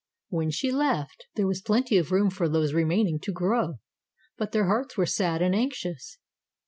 When she left there was plenty of room for those remaining to grow, but their hearts were sad and anxious.